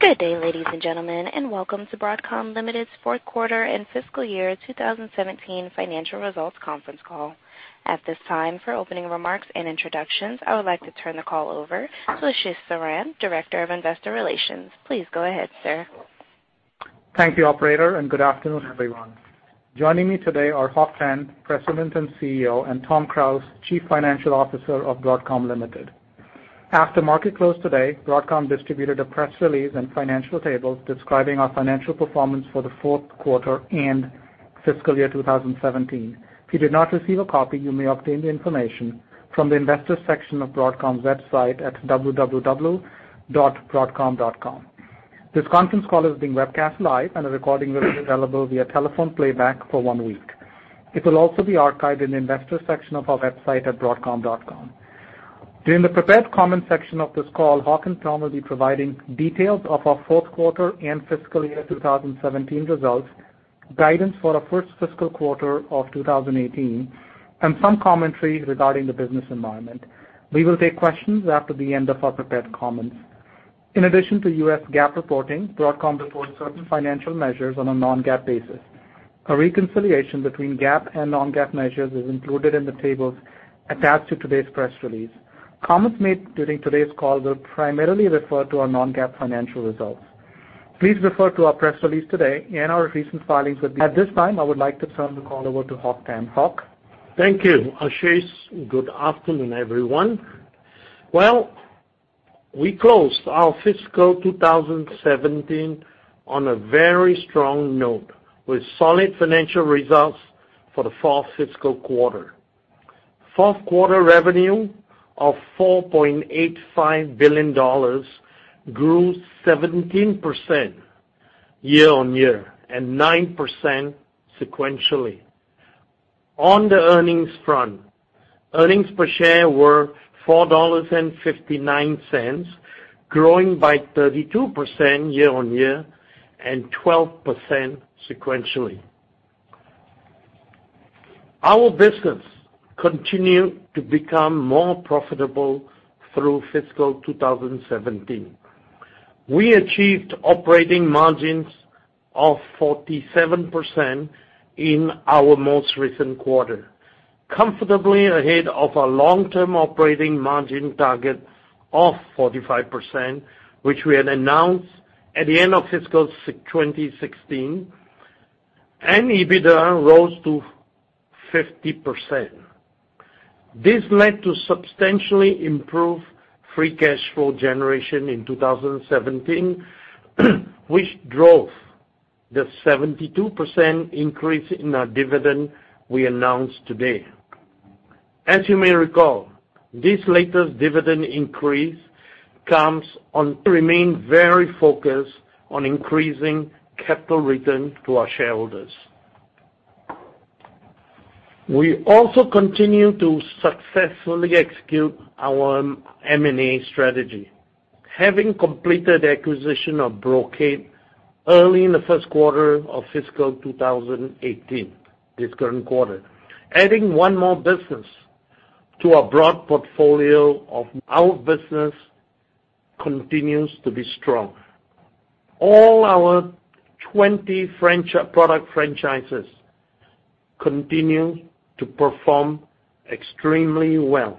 Good day, ladies and gentlemen, and welcome to Broadcom Limited's fourth quarter and fiscal year 2017 financial results conference call. At this time, for opening remarks and introductions, I would like to turn the call over to Ashish Saran, Director of Investor Relations. Please go ahead, sir. Thank you, operator, and good afternoon, everyone. Joining me today are Hock Tan, President and CEO, and Tom Krause, Chief Financial Officer of Broadcom Limited. After market close today, Broadcom distributed a press release and financial tables describing our financial performance for the fourth quarter and fiscal year 2017. If you did not receive a copy, you may obtain the information from the investor section of Broadcom's website at www.broadcom.com. This conference call is being webcast live and a recording will be available via telephone playback for one week. It will also be archived in the investor section of our website at broadcom.com. During the prepared comment section of this call, Hock and Tom will be providing details of our fourth quarter and fiscal year 2017 results, guidance for the first fiscal quarter of 2018, and some commentary regarding the business environment. We will take questions after the end of our prepared comments. In addition to U.S. GAAP reporting, Broadcom reports certain financial measures on a non-GAAP basis. A reconciliation between GAAP and non-GAAP measures is included in the tables attached to today's press release. Comments made during today's call will primarily refer to our non-GAAP financial results. Please refer to our press release today and our recent filings. At this time, I would like to turn the call over to Hock Tan. Hock? Thank you, Ashish. Good afternoon, everyone. Well, we closed our fiscal 2017 on a very strong note with solid financial results for the fourth fiscal quarter. Fourth quarter revenue of $4.85 billion grew 17% year-on-year and 9% sequentially. On the earnings front, earnings per share were $4.59, growing by 32% year-on-year and 12% sequentially. Our business continued to become more profitable through fiscal 2017. We achieved operating margins of 47% in our most recent quarter, comfortably ahead of our long-term operating margin target of 45%, which we had announced at the end of fiscal 2016, and EBITDA rose to 50%. This led to substantially improved free cash flow generation in 2017, which drove the 72% increase in our dividend we announced today. As you may recall, this latest dividend increase. We remain very focused on increasing capital return to our shareholders. We also continue to successfully execute our M&A strategy. Having completed acquisition of Brocade early in the first quarter of fiscal 2018, this current quarter, adding one more business to our broad portfolio of our business continues to be strong. All our 20 product franchises continue to perform extremely well.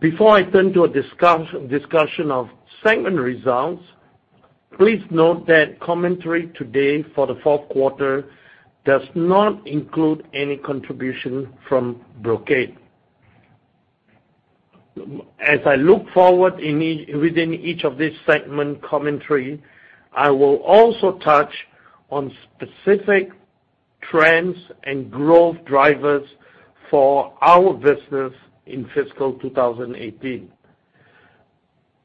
Before I turn to a discussion of segment results, please note that commentary today for the fourth quarter does not include any contribution from Brocade. As I look forward within each of these segment commentary, I will also touch on specific trends and growth drivers for our business in fiscal 2018.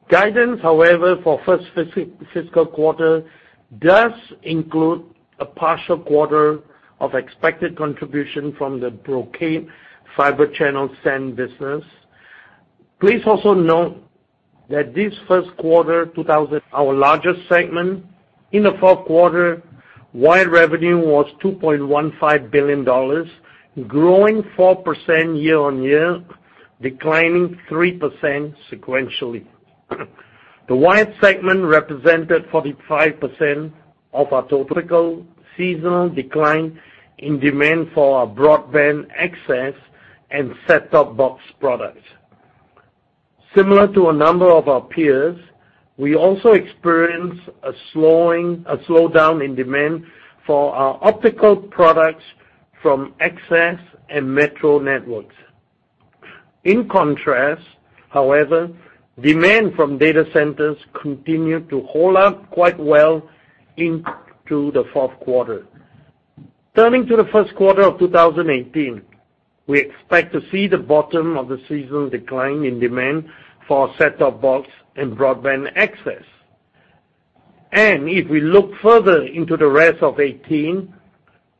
Guidance, however, for first fiscal quarter does include a partial quarter of expected contribution from the Brocade Fibre Channel SAN business. Please also note that this first quarter. Our largest segment in the fourth quarter, wire revenue was $2.15 billion, growing 4% year-on-year, declining 3% sequentially. The wire segment represented 45% of our total. Seasonal decline in demand for our broadband access and set-top box products. Similar to a number of our peers, we also experienced a slowdown in demand for our optical products from access and metro networks. In contrast, however, demand from data centers continued to hold up quite well into the fourth quarter. Turning to the first quarter of 2018, we expect to see the bottom of the seasonal decline in demand for set-top box and broadband access. If we look further into the rest of 2018,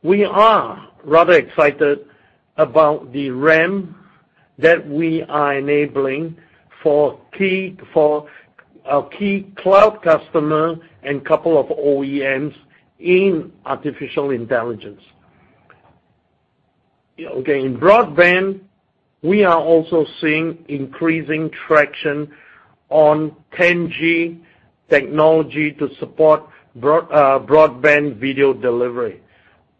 we are rather excited about the ramp that we are enabling for our key cloud customer and couple of OEMs in artificial intelligence. Okay. In broadband, we are also seeing increasing traction on 10G technology to support broadband video delivery.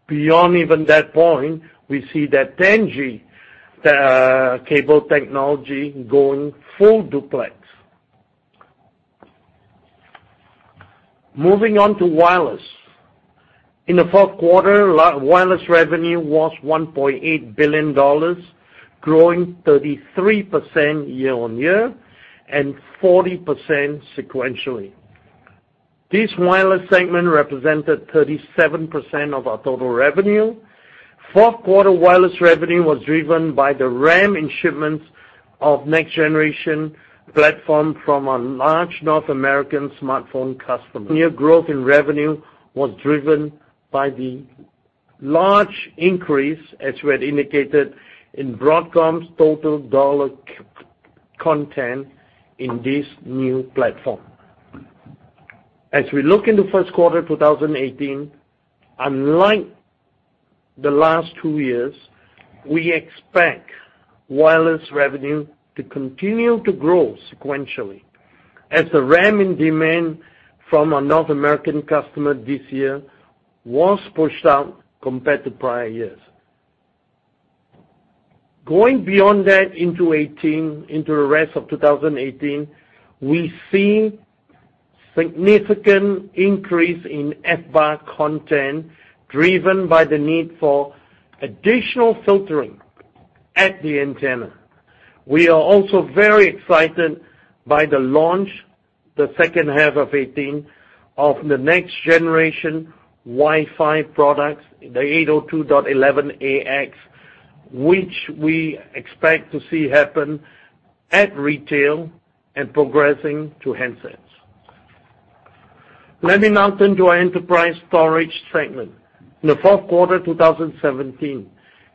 Beyond even that point, we see that 10G cable technology going full duplex. Moving on to wireless. In the fourth quarter, wireless revenue was $1.8 billion, growing 33% year-on-year and 40% sequentially. This wireless segment represented 37% of our total revenue. Fourth quarter wireless revenue was driven by the ramp in shipments of next generation platform from a large North American smartphone customer. Year growth in revenue was driven by the large increase, as we had indicated, in Broadcom's total dollar content in this new platform. As we look into first quarter 2018, unlike the last two years, we expect wireless revenue to continue to grow sequentially as the ramp in demand from our North American customer this year was pushed out compared to prior years. Going beyond that into 2018, into the rest of 2018, we see significant increase in FBAR content driven by the need for additional filtering at the antenna. We are also very excited by the launch, the second half of 2018, of the next generation Wi-Fi products, the 802.11ax, which we expect to see happen at retail and progressing to handsets. Let me now turn to our enterprise storage segment. In the fourth quarter 2017,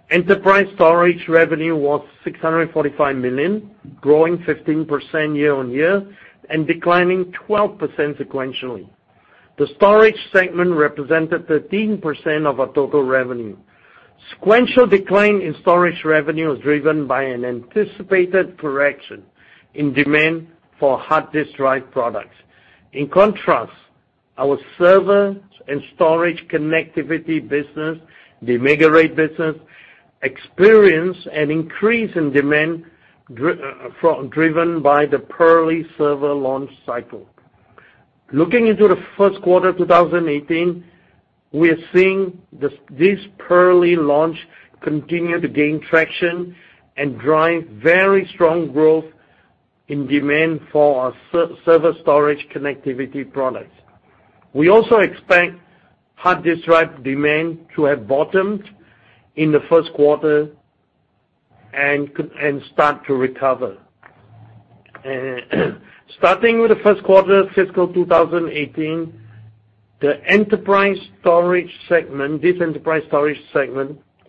enterprise storage revenue was $645 million, growing 15% year-on-year and declining 12% sequentially. The storage segment represented 13% of our total revenue. Sequential decline in storage revenue is driven by an anticipated correction in demand for hard disk drive products. In contrast, our server and storage connectivity business, the MegaRAID business, experienced an increase in demand driven by the Purley server launch cycle. Looking into the first quarter 2018, we are seeing this Purley launch continue to gain traction and drive very strong growth in demand for our server storage connectivity products. We also expect hard disk drive demand to have bottomed in the first quarter and start to recover. Starting with the first quarter fiscal 2018, this enterprise storage segment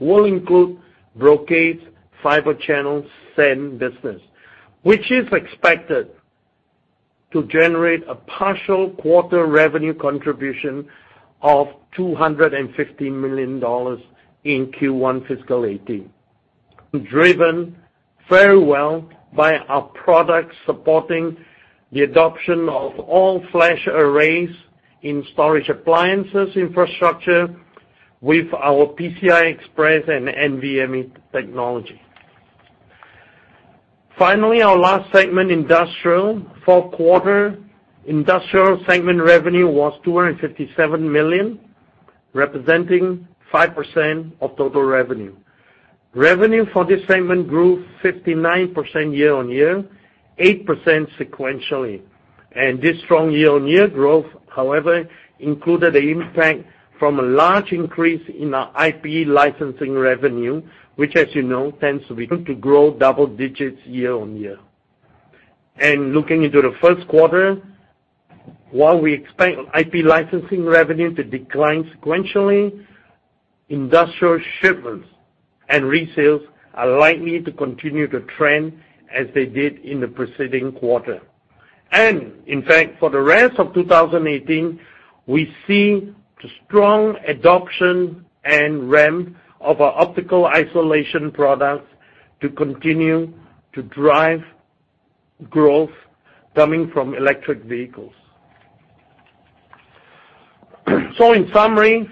will include Brocade's Fibre Channel SAN business, which is expected to generate a partial quarter revenue contribution of $250 million in Q1 fiscal 2018, driven very well by our products supporting the adoption of all flash arrays in storage appliances infrastructure with our PCI Express and NVMe technology. Finally, our last segment, industrial. Fourth quarter industrial segment revenue was $257 million, representing 5% of total revenue. Revenue for this segment grew 59% year-on-year, 8% sequentially. This strong year-on-year growth, however, included the impact from a large increase in our IP licensing revenue, which as you know, tends to be good to grow double-digits year-on-year. Looking into the first quarter, while we expect IP licensing revenue to decline sequentially, industrial shipments and resales are likely to continue to trend as they did in the preceding quarter. In fact, for the rest of 2018, we see strong adoption and ramp of our optical isolation products to continue to drive growth coming from electric vehicles. In summary,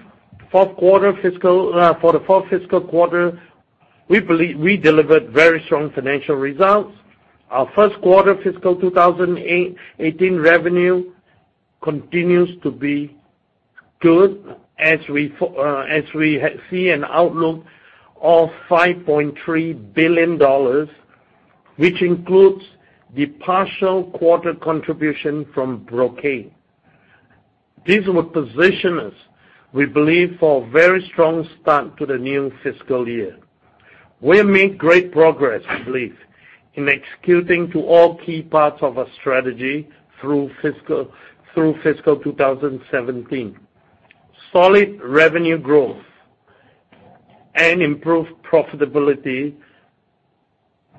for the fourth fiscal quarter, we delivered very strong financial results. Our first quarter fiscal 2018 revenue continues to be good as we see an outlook of $5.3 billion, which includes the partial quarter contribution from Brocade. This will position us, we believe, for a very strong start to the new fiscal year. We have made great progress, I believe, in executing to all key parts of our strategy through fiscal 2017. Solid revenue growth and improved profitability,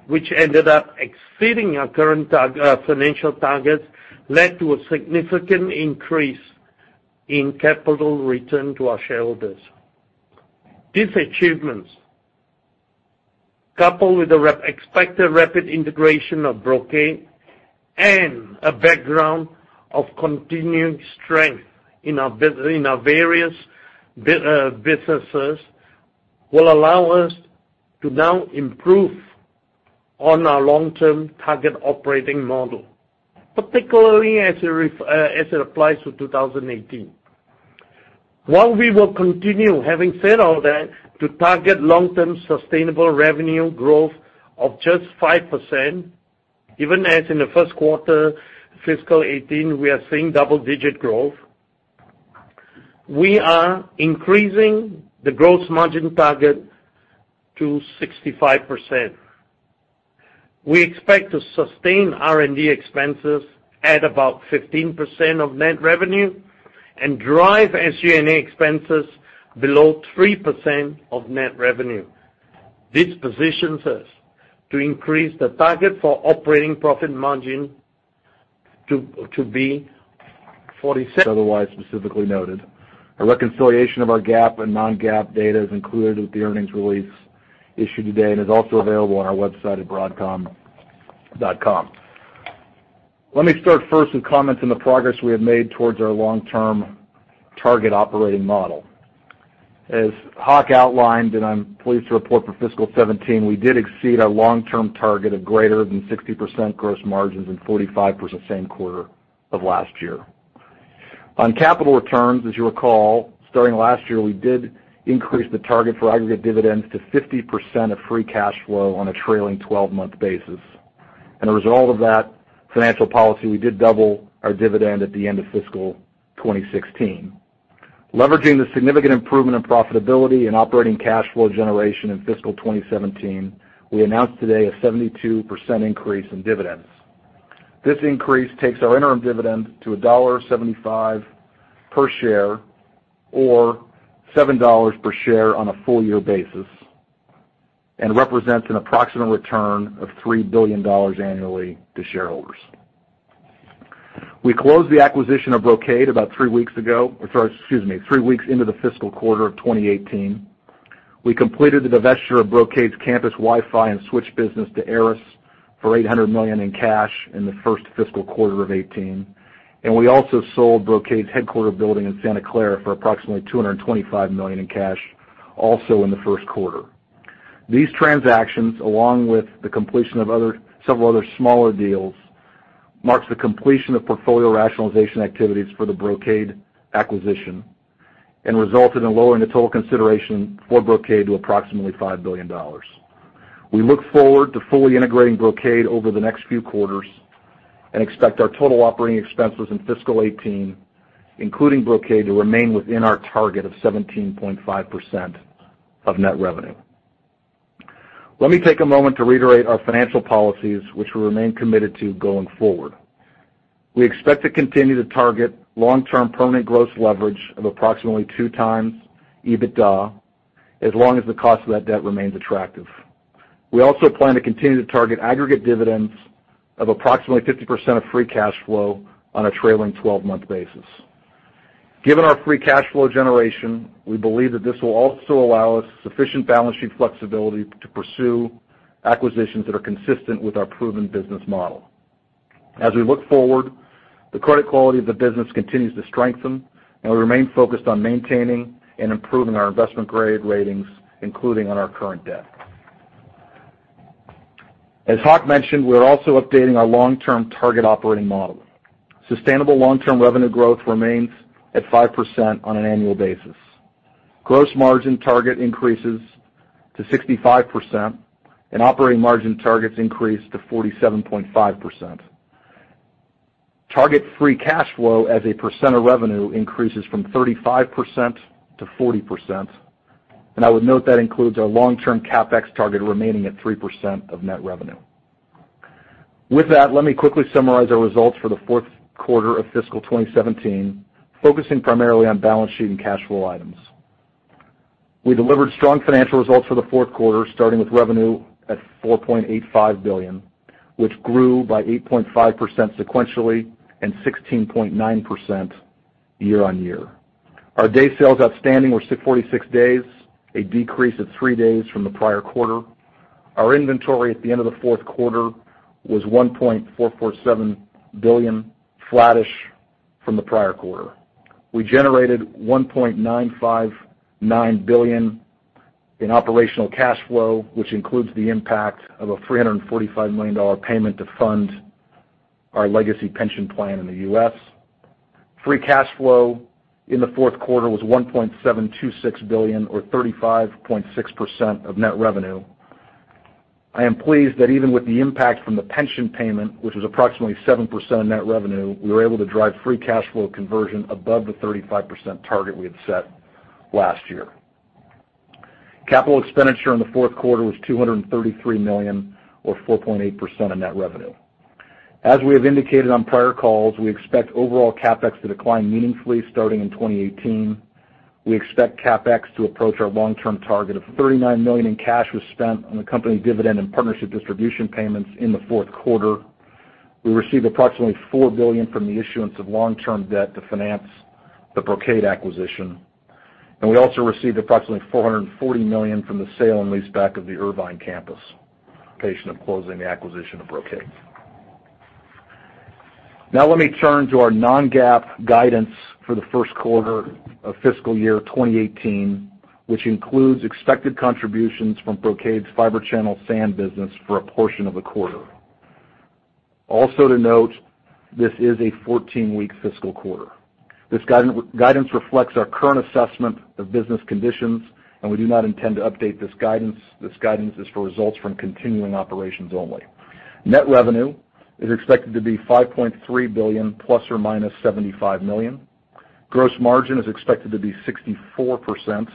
which ended up exceeding our current financial targets, led to a significant increase in capital return to our shareholders. These achievements, coupled with the expected rapid integration of Brocade and a background of continuing strength in our various businesses, will allow us to now improve on our long-term target operating model, particularly as it applies to 2018. While we will continue, having said all that, to target long-term sustainable revenue growth of just 5%, even as in the first quarter fiscal 2018, we are seeing double-digit growth, we are increasing the gross margin target to 65%. We expect to sustain R&D expenses at about 15% of net revenue and drive SG&A expenses below 3% of net revenue. This positions us to increase the target for operating profit margin to be 46- Otherwise specifically noted. A reconciliation of our GAAP and non-GAAP data is included with the earnings release issued today and is also available on our website at broadcom.com. Let me start first with comments on the progress we have made towards our long-term target operating model. As Hock outlined, I'm pleased to report for fiscal 2017, we did exceed our long-term target of greater than 60% gross margins and 45% same quarter of last year. On capital returns, as you'll recall, starting last year, we did increase the target for aggregate dividends to 50% of free cash flow on a trailing 12-month basis. A result of that financial policy, we did double our dividend at the end of fiscal 2016. Leveraging the significant improvement in profitability and operating cash flow generation in fiscal 2017, we announced today a 72% increase in dividends. This increase takes our interim dividend to $1.75 per share or $7 per share on a full-year basis and represents an approximate return of $3 billion annually to shareholders. We closed the acquisition of Brocade about three weeks into the fiscal quarter of 2018. We completed the divesture of Brocade's campus Wi-Fi and switch business to ARRIS for $800 million in cash in the first fiscal quarter of 2018. We also sold Brocade's headquarter building in Santa Clara for approximately $225 million in cash also in the first quarter. These transactions, along with the completion of several other smaller deals, marks the completion of portfolio rationalization activities for the Brocade acquisition and resulted in lowering the total consideration for Brocade to approximately $5 billion. We look forward to fully integrating Brocade over the next few quarters and expect our total operating expenses in fiscal 2018, including Brocade, to remain within our target of 17.5% of net revenue. Let me take a moment to reiterate our financial policies, which we remain committed to going forward. We expect to continue to target long-term permanent gross leverage of approximately 2x EBITDA, as long as the cost of that debt remains attractive. We also plan to continue to target aggregate dividends of approximately 50% of free cash flow on a trailing 12-month basis. Given our free cash flow generation, we believe that this will also allow us sufficient balance sheet flexibility to pursue acquisitions that are consistent with our proven business model. As we look forward, the credit quality of the business continues to strengthen. We remain focused on maintaining and improving our investment-grade ratings, including on our current debt. As Hock mentioned, we're also updating our long-term target operating model. Sustainable long-term revenue growth remains at 5% on an annual basis. Gross margin target increases to 65%, and operating margin targets increase to 47.5%. Target free cash flow as a % of revenue increases from 35% to 40%, and I would note that includes our long-term CapEx target remaining at 3% of net revenue. With that, let me quickly summarize our results for the fourth quarter of fiscal 2017, focusing primarily on balance sheet and cash flow items. We delivered strong financial results for the fourth quarter, starting with revenue at $4.85 billion, which grew by 8.5% sequentially and 16.9% year-on-year. Our day sales outstanding were 46 days, a decrease of three days from the prior quarter. Our inventory at the end of the fourth quarter was $1.447 billion, flat-ish from the prior quarter. We generated $1.959 billion in operational cash flow, which includes the impact of a $345 million payment to fund our legacy pension plan in the U.S. Free cash flow in the fourth quarter was $1.726 billion or 35.6% of net revenue. I am pleased that even with the impact from the pension payment, which was approximately 7% of net revenue, we were able to drive free cash flow conversion above the 35% target we had set last year. Capital expenditure in the fourth quarter was $233 million or 4.8% of net revenue. As we have indicated on prior calls, we expect overall CapEx to decline meaningfully starting in 2018. We expect CapEx to approach our long-term target of in cash was spent on the company dividend and partnership distribution payments in the fourth quarter. We received approximately $4 billion from the issuance of long-term debt to finance the Brocade acquisition, and we also received approximately $440 million from the sale and lease back of the Irvine campus, pending closing the acquisition of Brocade. Let me turn to our non-GAAP guidance for the first quarter of fiscal year 2018, which includes expected contributions from Brocade's Fibre Channel SAN business for a portion of the quarter. Also to note, this is a 14-week fiscal quarter. This guidance reflects our current assessment of business conditions, we do not intend to update this guidance. This guidance is for results from continuing operations only. Net revenue is expected to be $5.3 billion, ±$75 million. Gross margin is expected to be 64%,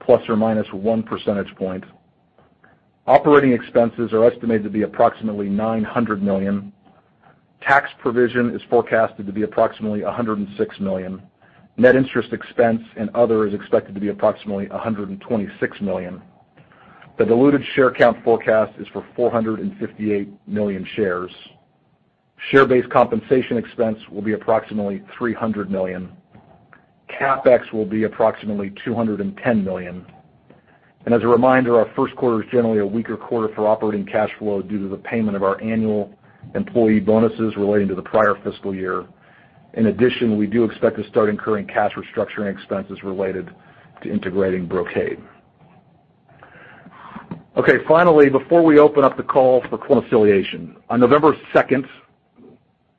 ±1 percentage point. Operating expenses are estimated to be approximately $900 million. Tax provision is forecasted to be approximately $106 million. Net interest expense and other is expected to be approximately $126 million. The diluted share count forecast is for 458 million shares. Share-based compensation expense will be approximately $300 million. CapEx will be approximately $210 million. As a reminder, our first quarter is generally a weaker quarter for operating cash flow due to the payment of our annual employee bonuses relating to the prior fiscal year. In addition, we do expect to start incurring cash restructuring expenses related to integrating Brocade. Finally, before we open up the call for re-domiciliation. On November 2nd,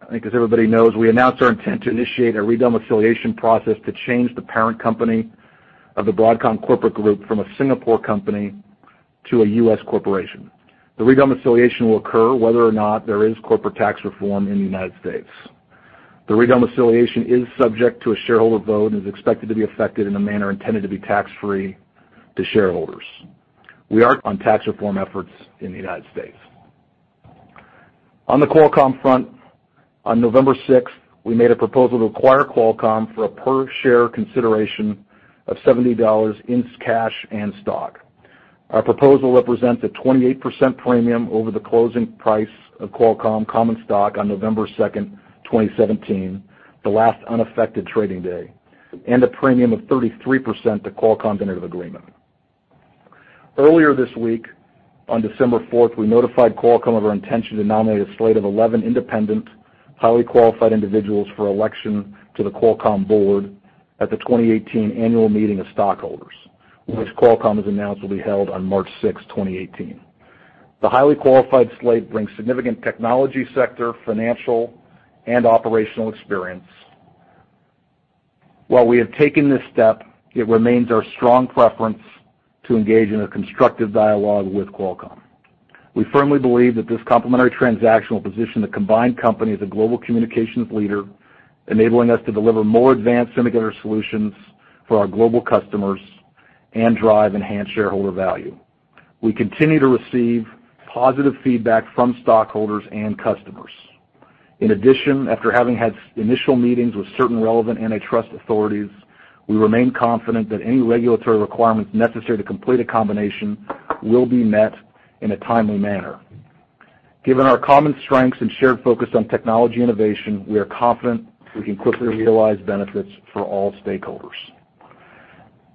I think as everybody knows, we announced our intent to initiate a re-domiciliation process to change the parent company of the Broadcom corporate group from a Singapore company to a U.S. corporation. The re-domiciliation will occur whether or not there is corporate tax reform in the United States. The re-domiciliation is subject to a shareholder vote and is expected to be affected in a manner intended to be tax-free to shareholders. We are on tax reform efforts in the United States. On the Qualcomm front, on November 6th, we made a proposal to acquire Qualcomm for a per-share consideration of $70 in cash and stock. Our proposal represents a 28% premium over the closing price of Qualcomm common stock on November 2nd, 2017, the last unaffected trading day, and a premium of 33% to Qualcomm's end of agreement. Earlier this week, on December 4th, we notified Qualcomm of our intention to nominate a slate of 11 independent, highly qualified individuals for election to the Qualcomm board at the 2018 annual meeting of stockholders, which Qualcomm has announced will be held on March 6, 2018. The highly qualified slate brings significant technology sector, financial, and operational experience. While we have taken this step, it remains our strong preference to engage in a constructive dialogue with Qualcomm. We firmly believe that this complementary transaction will position the combined company as a global communications leader, enabling us to deliver more advanced integrated solutions for our global customers and drive enhanced shareholder value. We continue to receive positive feedback from stockholders and customers. After having had initial meetings with certain relevant antitrust authorities, we remain confident that any regulatory requirements necessary to complete a combination will be met in a timely manner. Given our common strengths and shared focus on technology innovation, we are confident we can quickly realize benefits for all stakeholders.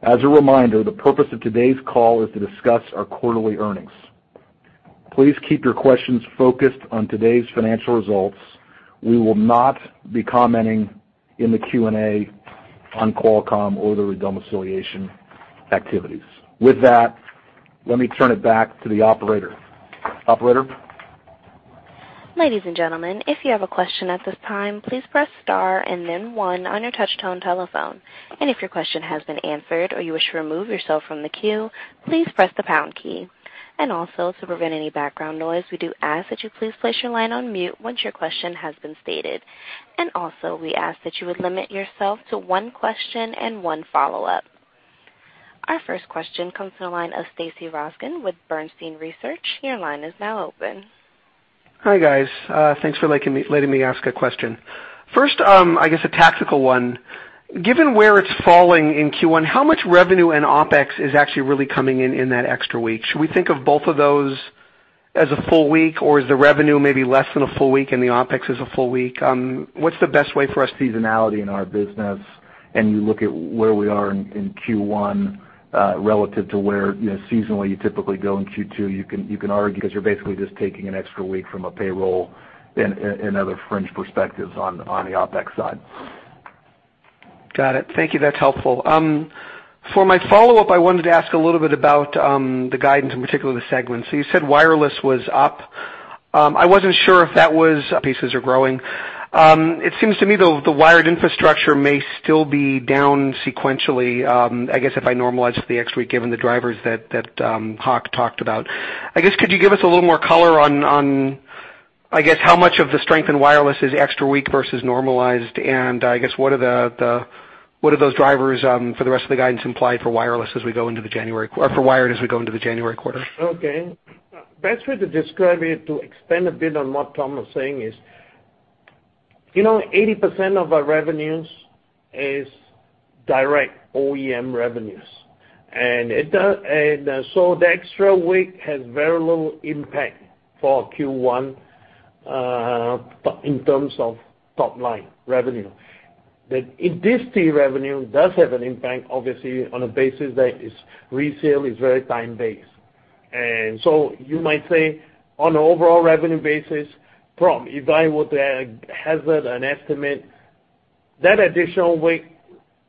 As a reminder, the purpose of today's call is to discuss our quarterly earnings. Please keep your questions focused on today's financial results. We will not be commenting in the Q&A on Qualcomm or the re-domiciliation activities. With that, let me turn it back to the operator. Operator? Ladies and gentlemen, if you have a question at this time, please press star and then one on your touch-tone telephone. If your question has been answered or you wish to remove yourself from the queue, please press the pound key. To prevent any background noise, we do ask that you please place your line on mute once your question has been stated. We ask that you would limit yourself to one question and one follow-up. Our first question comes from the line of Stacy Rasgon with Bernstein Research. Your line is now open. Hi, guys. Thanks for letting me ask a question. First, I guess a tactical one. Given where it's falling in Q1, how much revenue and OpEx is actually really coming in in that extra week? Should we think of both of those as a full week, or is the revenue maybe less than a full week and the OpEx is a full week? What's the best way for us seasonality in our business, you look at where we are in Q1 relative to where seasonally you typically go in Q2, you can argue because you're basically just taking an extra week from a payroll and other fringe perspectives on the OpEx side. Got it. Thank you. That's helpful. For my follow-up, I wanted to ask a little bit about the guidance, in particular, the segments. You said wireless was up. I wasn't sure if that was pieces are growing. It seems to me, though, the wired infrastructure may still be down sequentially, I guess, if I normalize for the extra week, given the drivers that Hock talked about. I guess, could you give us a little more color on, I guess, how much of the strength in wireless is extra week versus normalized? I guess, what do those drivers for the rest of the guidance imply for wireless as we go into the January-- or for wired as we go into the January quarter? Okay. Best way to describe it, to expand a bit on what Tom was saying is, 80% of our revenues is direct OEM revenues. The extra week has very little impact for Q1, in terms of top-line revenue. This revenue does have an impact, obviously, on a basis that is resale, is very time-based. You might say on an overall revenue basis, Tom, if I were to hazard an estimate, that additional week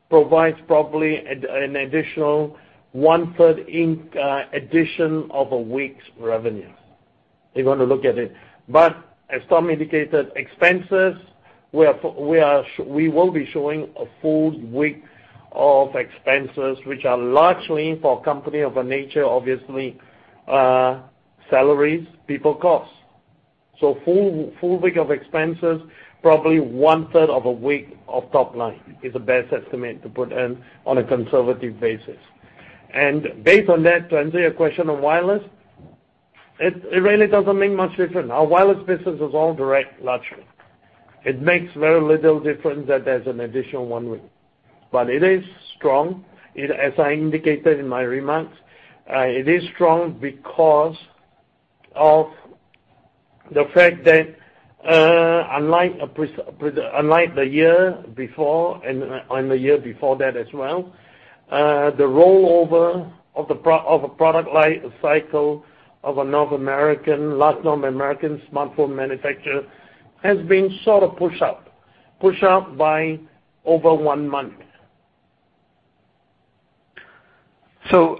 provides probably an additional one-third addition of a week's revenue, if you want to look at it. As Tom indicated, expenses, we will be showing a full week of expenses, which are largely for a company of a nature, obviously, salaries, people cost. Full week of expenses, probably one-third of a week of top line is the best estimate to put in on a conservative basis. Based on that, to answer your question on wireless, it really doesn't make much difference. Our wireless business is all direct, largely. It makes very little difference that there's an additional one week, but it is strong. As I indicated in my remarks, it is strong because of the fact that, unlike the year before and the year before that as well, the rollover of a product life cycle of a large North American smartphone manufacturer has been sort of pushed up by over one month.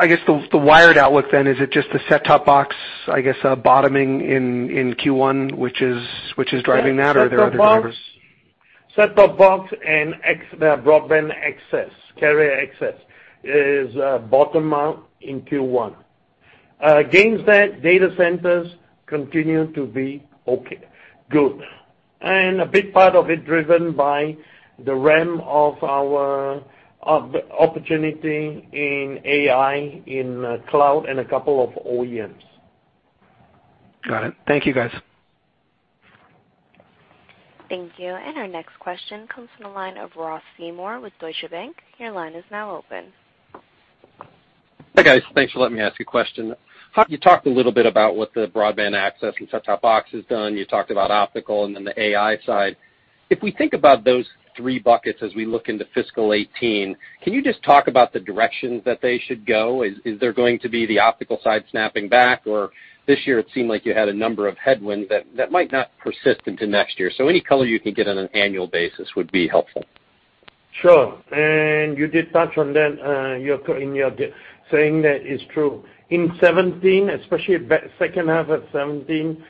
I guess the wired outlook then, is it just the set-top box, I guess, bottoming in Q1, which is driving that? Yes Are there other drivers? Set-top box and their broadband access, carrier access is bottom out in Q1. Against that, data centers continue to be okay. Good. A big part of it driven by the ramp of our opportunity in AI, in cloud, and a couple of OEMs. Got it. Thank you, guys. Thank you. Our next question comes from the line of Ross Seymore with Deutsche Bank. Your line is now open. Hi, guys. Thanks for letting me ask a question. Hock, you talked a little bit about what the broadband access and set-top box has done. You talked about optical, then the AI side. If we think about those three buckets as we look into fiscal 2018, can you just talk about the directions that they should go? Is there going to be the optical side snapping back, or this year it seemed like you had a number of headwinds that might not persist into next year. Any color you can give on an annual basis would be helpful. Sure. You did touch on that in your saying that it's true. In 2017, especially second half of 2017,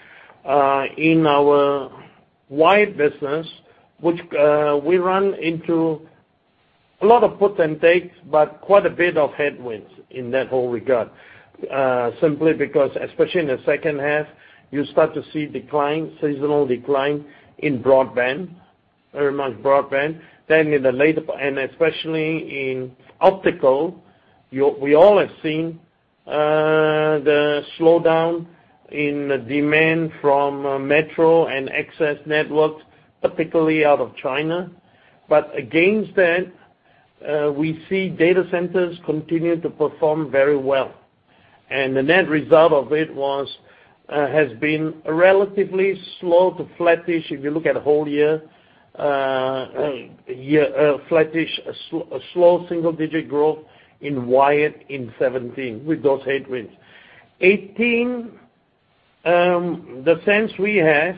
in our wired business, which we run into a lot of puts and takes, but quite a bit of headwinds in that whole regard. Simply because, especially in the second half, you start to see decline, seasonal decline in broadband, very much broadband. In the later, and especially in optical, we all have seen the slowdown in demand from metro and access networks, particularly out of China. Against that, we see data centers continue to perform very well. The net result of it has been relatively slow to flattish, if you look at a whole year, flattish, a slow single-digit growth in wired in 2017 with those headwinds. 2018, the sense we have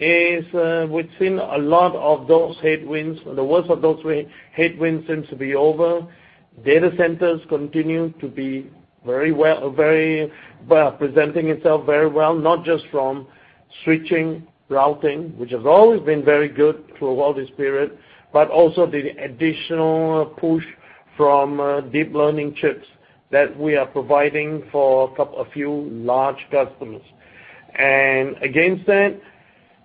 is, we've seen a lot of those headwinds. The worst of those headwinds seems to be over. Data centers continue to be presenting itself very well, not just from switching, routing, which has always been very good throughout this period, but also the additional push from deep learning chips that we are providing for a few large customers. Against that,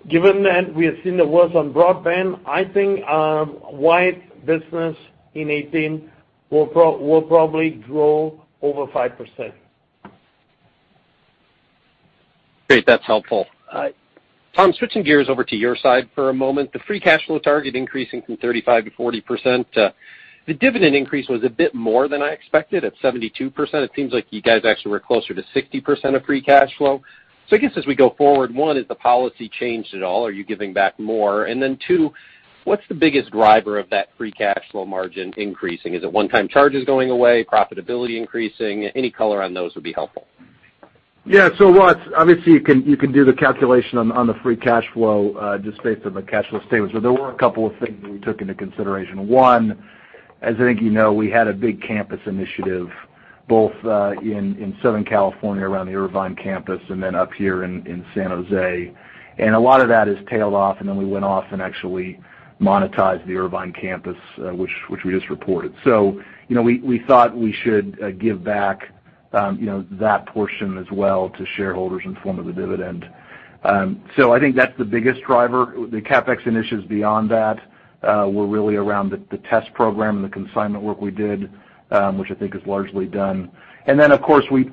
given that we have seen the worst on broadband, I think wired business in 2018 will probably grow over 5%. Great. That's helpful. Tom, switching gears over to your side for a moment. The free cash flow target increasing from 35% to 40%. The dividend increase was a bit more than I expected at 72%. It seems like you guys actually were closer to 60% of free cash flow. I guess as we go forward, one, is the policy changed at all? Are you giving back more? Two, what's the biggest driver of that free cash flow margin increasing? Is it one-time charges going away, profitability increasing? Any color on those would be helpful. Yeah. Ross, obviously, you can do the calculation on the free cash flow, just based on the cash flow statement. There were a couple of things that we took into consideration. One, as I think you know, we had a big campus initiative both, in Southern California around the Irvine campus and then up here in San Jose. A lot of that has tailed off, then we went off and actually monetized the Irvine campus, which we just reported. We thought we should give back that portion as well to shareholders in the form of a dividend. I think that's the biggest driver. The CapEx initiatives beyond that were really around the test program and the consignment work we did, which I think is largely done. Of course, we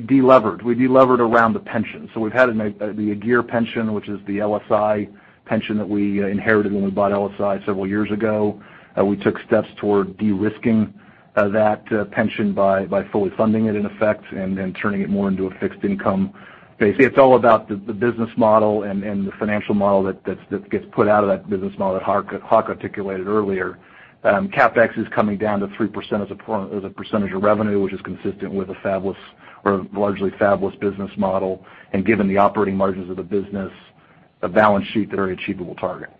de-levered. We de-levered around the pension. We've had the Agere pension, which is the LSI pension that we inherited when we bought LSI several years ago. We took steps toward de-risking that pension by fully funding it in effect, then turning it more into a fixed income base. It's all about the business model and the financial model that gets put out of that business model that Hock articulated earlier. CapEx is coming down to 3% as a percentage of revenue, which is consistent with a largely fabless business model. Given the operating margins of the business, the balance sheet, very achievable target.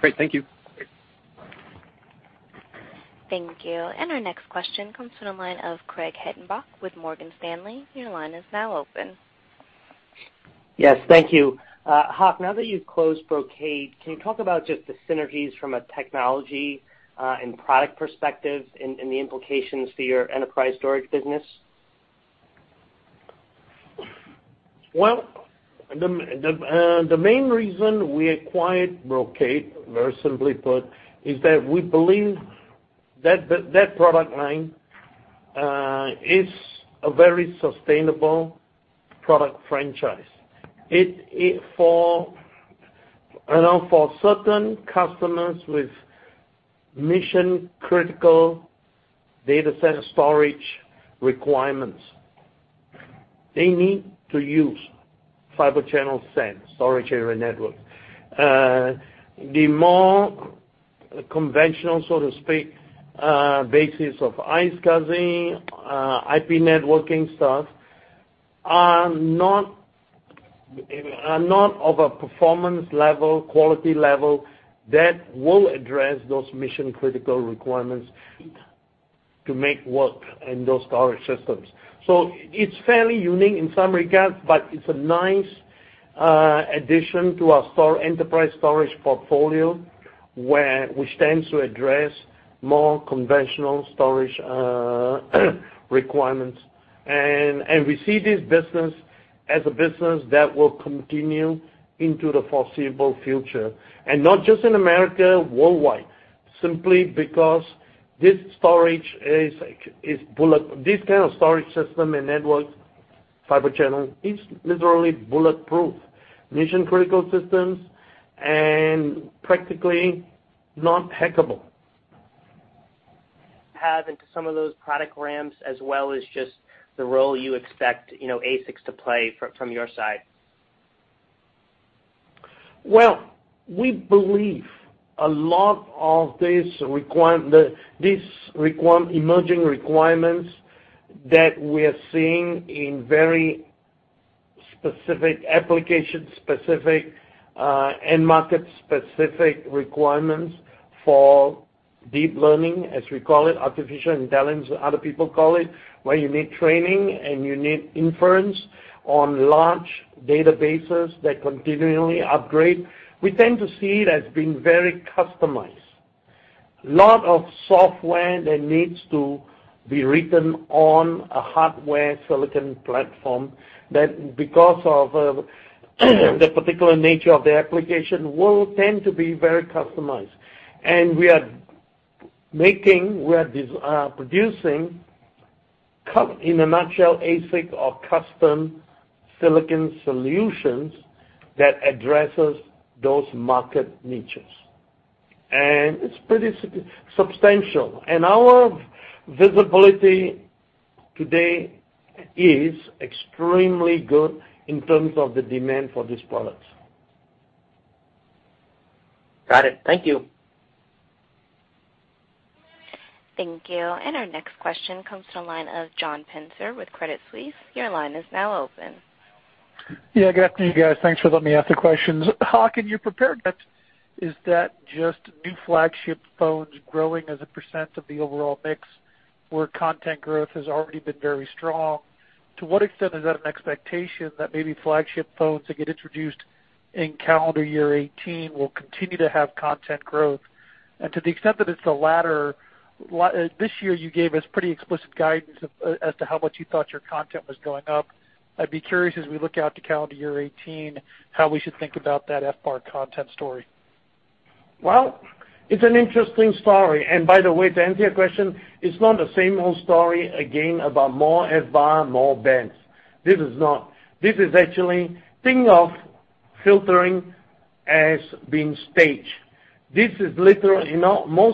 Great. Thank you. Thank you. Our next question comes from the line of Craig Hettenbach with Morgan Stanley. Your line is now open. Yes, thank you. Hock, now that you've closed Brocade, can you talk about just the synergies from a technology and product perspective and the implications for your enterprise storage business? Well, the main reason we acquired Brocade, very simply put, is that we believe that that product line is a very sustainable product franchise. For certain customers with mission-critical data center storage requirements, they need to use Fibre Channel SAN, storage area network. The more conventional, so to speak, basis of iSCSI, IP networking stuff are not of a performance level, quality level that will address those mission-critical requirements to make work in those storage systems. It's fairly unique in some regards, but it's a nice addition to our enterprise storage portfolio, which tends to address more conventional storage requirements. We see this business as a business that will continue into the foreseeable future, not just in America, worldwide. Simply because this kind of storage system and network, Fibre Channel, is literally bulletproof. Mission-critical systems and practically not hackable. Have into some of those product ramps, as well as just the role you expect ASIC to play from your side. Well, we believe a lot of these emerging requirements that we're seeing in very specific application, specific end market, specific requirements for deep learning, as we call it, artificial intelligence, other people call it. Where you need training and you need inference on large databases that continually upgrade. We tend to see it as being very customized. Lot of software that needs to be written on a hardware silicon platform, that because of the particular nature of the application, will tend to be very customized. We are producing, in a nutshell, ASIC or custom silicon solutions that addresses those market niches. It's pretty substantial. Our visibility today is extremely good in terms of the demand for these products. Got it. Thank you. Thank you. Our next question comes to the line of John Pitzer with Credit Suisse. Your line is now open. Yeah, good afternoon, guys. Thanks for letting me ask the questions. Hock, in your prepared notes, is that just new flagship phones growing as a % of the overall mix, where content growth has already been very strong? To what extent is that an expectation that maybe flagship phones that get introduced in calendar year 2018 will continue to have content growth? To the extent that it's the latter, this year you gave us pretty explicit guidance as to how much you thought your content was going up. I'd be curious, as we look out to calendar year 2018, how we should think about that FBAR content story. Well, it's an interesting story. By the way, to answer your question, it's not the same old story again about more FBAR, more bands. This is not. This is actually thinking of filtering as being staged. Most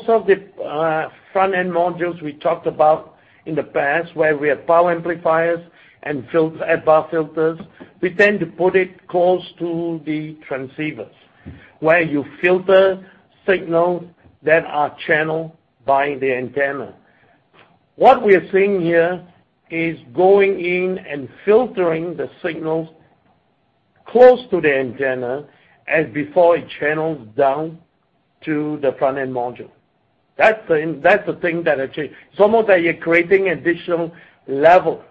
of the front-end modules we talked about in the past, where we had power amplifiers and FBAR filters. We tend to put it close to the transceivers, where you filter signals that are channeled by the antenna. What we are seeing here is going in and filtering the signals close to the antenna as before it channels down to the front-end module. It's almost like you're creating additional level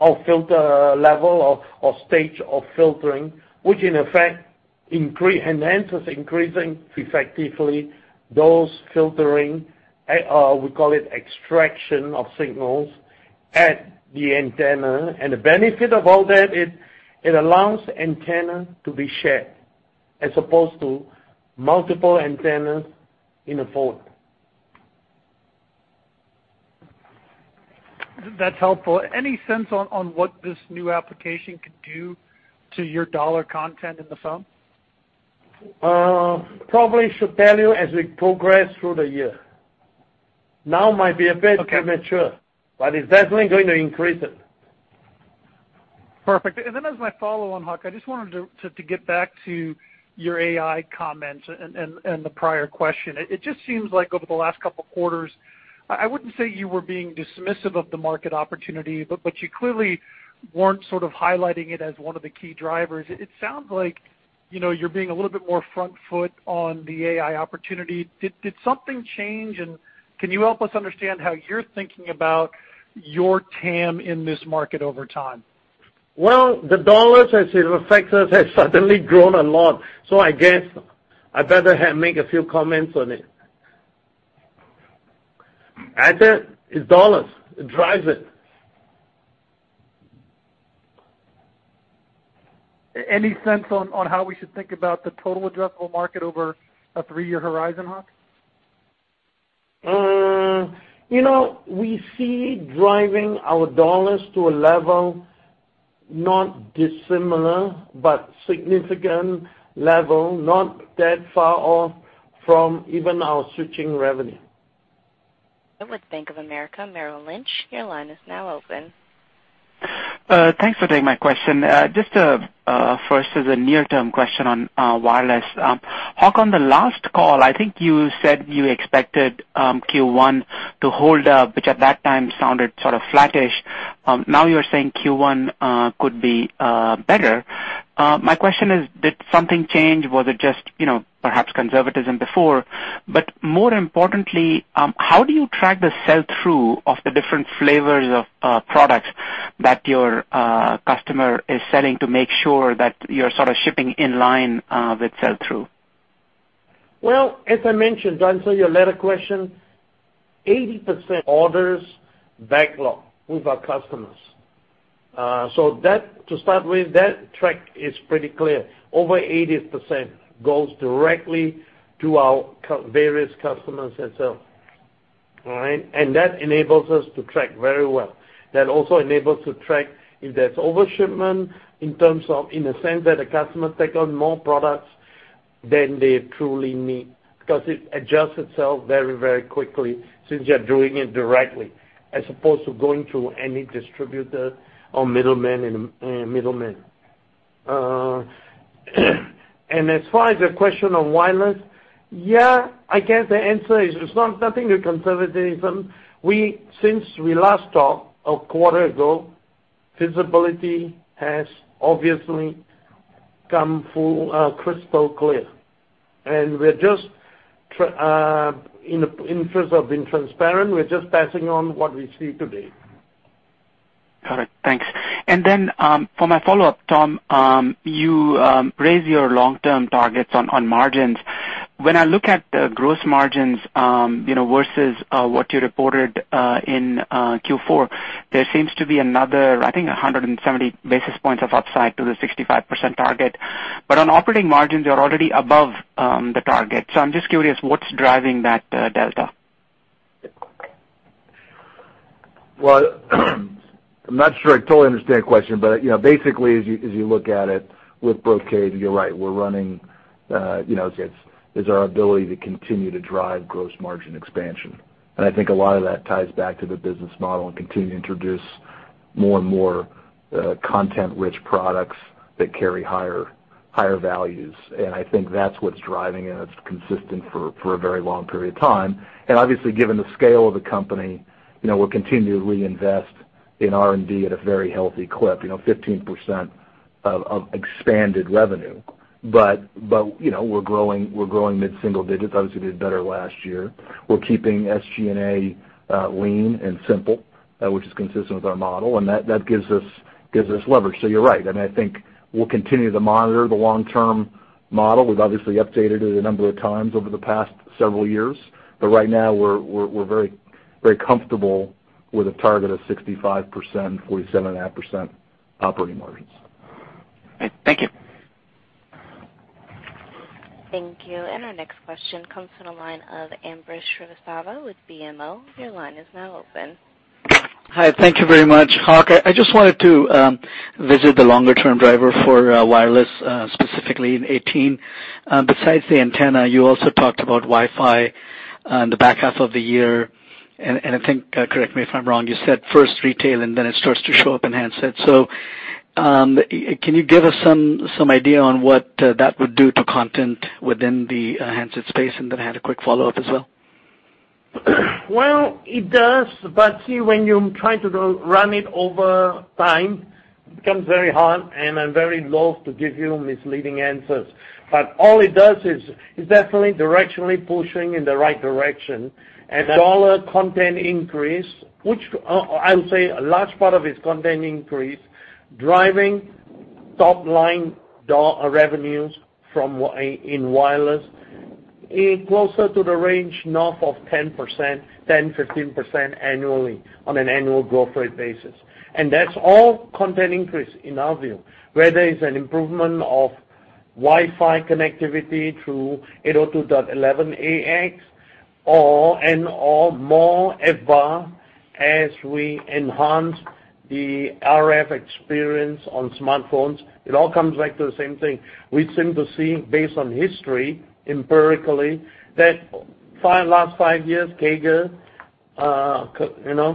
of filter, level of stage of filtering, which in effect enhances increasing effectively those filtering, we call it extraction of signals at the antenna. The benefit of all that, it allows antenna to be shared as opposed to multiple antennas in a phone. That's helpful. Any sense on what this new application could do to your dollar content in the phone? Probably should tell you as we progress through the year. Okay premature, but it's definitely going to increase it. Perfect. As my follow-on, Hock, I just wanted to get back to your AI comments and the prior question. It just seems like over the last couple of quarters, I wouldn't say you were being dismissive of the market opportunity, but you clearly weren't sort of highlighting it as one of the key drivers. It sounds like you're being a little bit more front foot on the AI opportunity. Did something change? Can you help us understand how you're thinking about your TAM in this market over time? The dollars as it affects us has suddenly grown a lot. I guess I better make a few comments on it. As said, it's dollars. It drives it. Any sense on how we should think about the total addressable market over a three-year horizon, Hock? We see driving our $ to a level not dissimilar, but significant level, not that far off from even our switching revenue. With Bank of America Merrill Lynch, your line is now open. Thanks for taking my question. Just first as a near-term question on wireless. Hock, on the last call, I think you said you expected Q1 to hold up, which at that time sounded sort of flattish. Now you're saying Q1 could be better. My question is, did something change? Was it just perhaps conservatism before? More importantly, how do you track the sell-through of the different flavors of products that your customer is selling to make sure that you're sort of shipping in line with sell-through? Well, as I mentioned, to answer your latter question, 80% orders backlog with our customers. To start with, that track is pretty clear. Over 80% goes directly to our various customers themselves. All right? That enables us to track very well. That also enables to track if there's overshipment in terms of, in the sense that a customer take on more products than they truly need, because it adjusts itself very quickly since you're doing it directly, as opposed to going through any distributor or middleman. As far as the question of wireless, yeah, I guess the answer is, it's nothing to conservatism. Since we last talked a quarter ago, visibility has obviously come full crystal clear, in terms of being transparent, we're just passing on what we see today. Got it. Thanks. Then for my follow-up, Tom, you raised your long-term targets on margins. When I look at the gross margins versus what you reported in Q4, there seems to be another, I think, 170 basis points of upside to the 65% target. On operating margins, you're already above the target. I'm just curious, what's driving that delta? Well, I'm not sure I totally understand your question, basically, as you look at it with Brocade, you're right. We're running, it's our ability to continue to drive gross margin expansion. I think a lot of that ties back to the business model and continue to introduce more and more content-rich products that carry higher values. I think that's what's driving it, and it's consistent for a very long period of time. Obviously, given the scale of the company, we'll continue to reinvest in R&D at a very healthy clip, 15% of expanded revenue. We're growing mid-single digits. Obviously, did better last year. We're keeping SG&A lean and simple, which is consistent with our model, and that gives us leverage. You're right. I think we'll continue to monitor the long-term model. We've obviously updated it a number of times over the past several years. Right now, we're very comfortable with a target of 65%, 47.5% operating margins. Right. Thank you. Thank you. Our next question comes from the line of Ambrish Srivastava with BMO. Your line is now open. Hi. Thank you very much. Hock, I just wanted to visit the longer-term driver for wireless, specifically in 2018. Besides the antenna, you also talked about Wi-Fi in the back half of the year. I think, correct me if I'm wrong, you said first retail, then it starts to show up in handsets. Can you give us some idea on what that would do to content within the handset space? Then I had a quick follow-up as well. Well, it does, but see, when you try to run it over time, it becomes very hard, I'm very loathe to give you misleading answers. All it does is definitely directionally pushing in the right direction. Dollar content increase, which I would say a large part of it's content increase, driving Topline revenues in wireless is closer to the range north of 10%, 10%-15% annually on an annual growth rate basis. That's all content increase in our view, whether it's an improvement of Wi-Fi connectivity through 802.11ax, or more FBAR as we enhance the RF experience on smartphones. It all comes back to the same thing. We seem to see, based on history, empirically, that last five years, CAGR,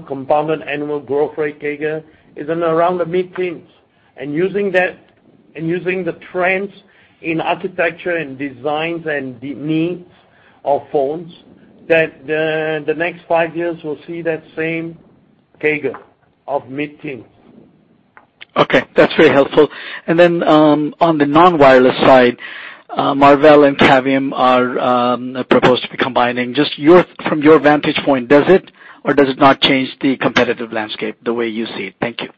compounded annual growth rate, CAGR, is in around the mid-teens. Using the trends in architecture and designs and the needs of phones, that the next five years will see that same CAGR of mid-teens. Okay. That's very helpful. On the non-wireless side, Marvell and Cavium are proposed to be combining. Just from your vantage point, does it or does it not change the competitive landscape the way you see it? Thank you.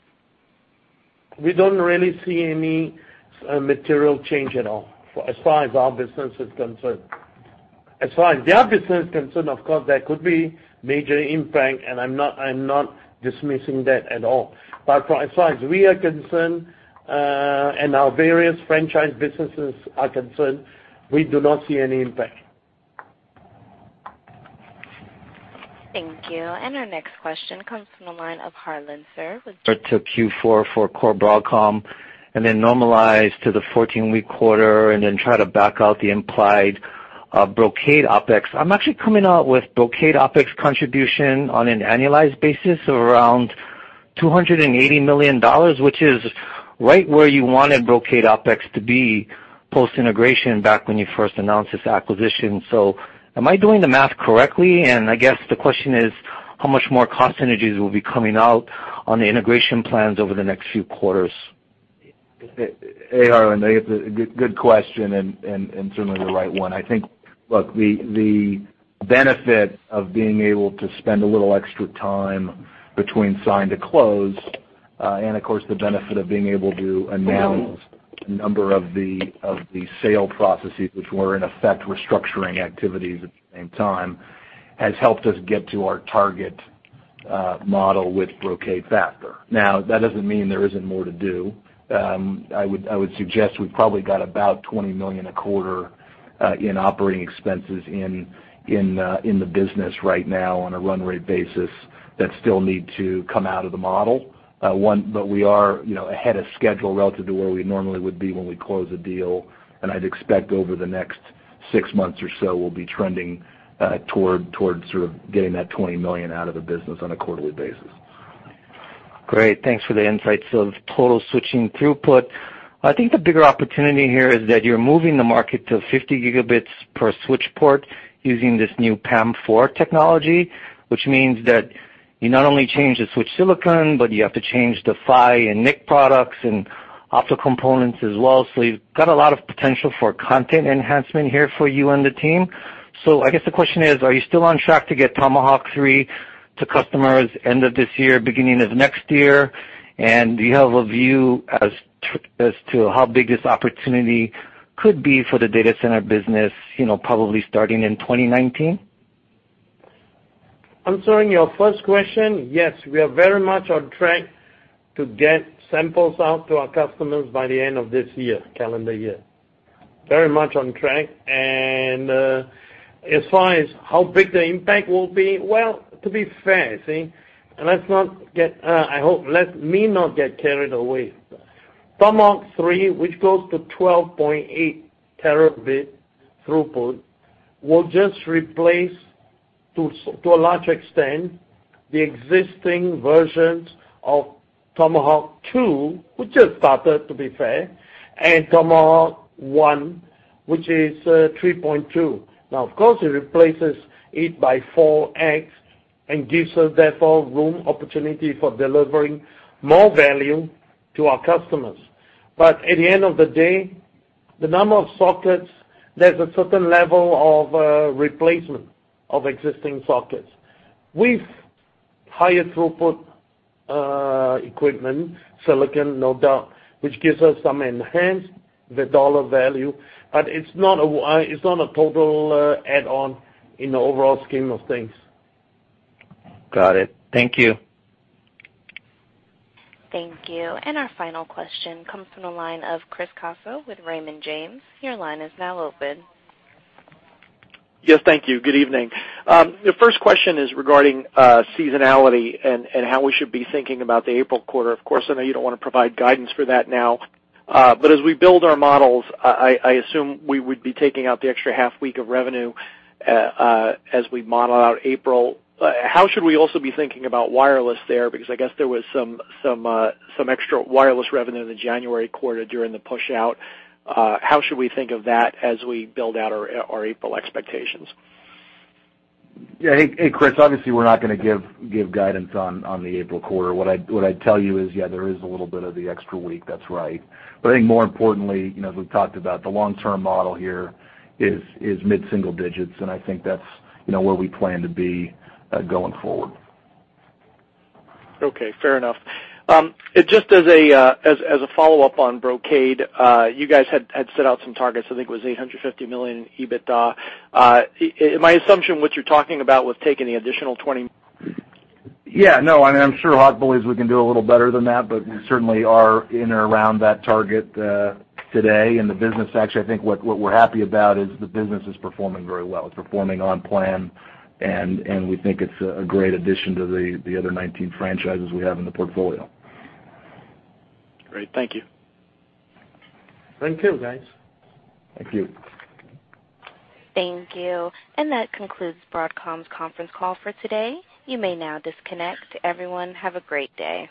We don't really see any material change at all, as far as our business is concerned. As far as their business is concerned, of course, there could be major impact, and I'm not dismissing that at all. As far as we are concerned, and our various franchise businesses are concerned, we do not see any impact. Thank you. Our next question comes from the line of Harlan Sur. To Q4 for core Broadcom, normalize to the 14-week quarter, try to back out the implied Brocade OpEx. I'm actually coming out with Brocade OpEx contribution on an annualized basis of around $280 million, which is right where you wanted Brocade OpEx to be post-integration back when you first announced this acquisition. Am I doing the math correctly? I guess the question is, how much more cost synergies will be coming out on the integration plans over the next few quarters? Hey, Harlan. Good question, and certainly the right one. I think, look, the benefit of being able to spend a little extra time between sign to close, and of course, the benefit of being able to announce a number of the sale processes which were, in effect, restructuring activities at the same time, has helped us get to our target model with Brocade faster. That doesn't mean there isn't more to do. I would suggest we've probably got about $20 million a quarter in operating expenses in the business right now on a run rate basis that still need to come out of the model. We are ahead of schedule relative to where we normally would be when we close a deal. I'd expect over the next six months or so, we'll be trending towards sort of getting that $20 million out of the business on a quarterly basis. Great. Thanks for the insights of total switching throughput. I think the bigger opportunity here is that you're moving the market to 50 gigabits per switch port using this new PAM4 technology, which means that you not only change the switch silicon, but you have to change the PHY and NIC products and optical components as well. You've got a lot of potential for content enhancement here for you and the team. I guess the question is, are you still on track to get Tomahawk 3 to customers end of this year, beginning of next year? Do you have a view as to how big this opportunity could be for the data center business, probably starting in 2019? Answering your first question, yes, we are very much on track to get samples out to our customers by the end of this year, calendar year. Very much on track. As far as how big the impact will be, well, to be fair, see, I hope, let me not get carried away. Tomahawk 3, which goes to 12.8 terabit throughput, will just replace, to a large extent, the existing versions of Tomahawk II, which just started, to be fair, and Tomahawk 1, which is 3.2. Of course, it replaces it by 4x and gives us, therefore, room opportunity for delivering more value to our customers. At the end of the day, the number of sockets, there's a certain level of replacement of existing sockets. With higher throughput equipment, silicon, no doubt, which gives us some enhanced dollar value, but it's not a total add-on in the overall scheme of things. Got it. Thank you. Thank you. Our final question comes from the line of Chris Caso with Raymond James. Your line is now open. Yes. Thank you. Good evening. The first question is regarding seasonality and how we should be thinking about the April quarter. Of course, I know you don't want to provide guidance for that now. As we build our models, I assume we would be taking out the extra half week of revenue as we model out April. How should we also be thinking about wireless there? Because I guess there was some extra wireless revenue in the January quarter during the push out. How should we think of that as we build out our April expectations? Hey, Chris. Obviously, we're not going to give guidance on the April quarter. What I'd tell you is, there is a little bit of the extra week. That's right. I think more importantly, as we've talked about, the long-term model here is mid-single digits, and I think that's where we plan to be going forward. Okay. Fair enough. As a follow-up on Brocade, you guys had set out some targets. I think it was $850 million in EBITDA. My assumption, what you're talking about was taking the additional 20- No, I mean, I'm sure Hock believes we can do a little better than that, but we certainly are in or around that target today. The business, actually, I think what we're happy about is the business is performing very well. It's performing on plan, and we think it's a great addition to the other 19 franchises we have in the portfolio. Great. Thank you. Thank you, guys. Thank you. Thank you. That concludes Broadcom's conference call for today. You may now disconnect. Everyone, have a great day.